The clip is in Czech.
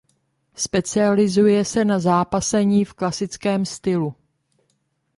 Specializuje se na zápasení v klasickém stylu.